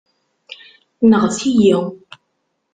Nɣet-iyi.